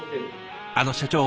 あの社長。